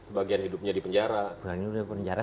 sebagian hidupnya di penjara